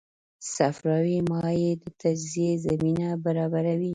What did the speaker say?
صفراوي مایع د تجزیې زمینه برابروي.